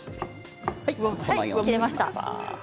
切れました。